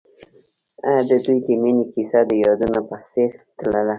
د دوی د مینې کیسه د یادونه په څېر تلله.